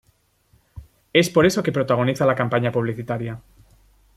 Es por eso que protagoniza la campaña publicitaria.